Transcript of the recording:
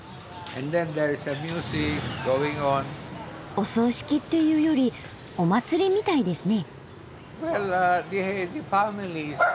お葬式っていうよりお祭りみたいですね。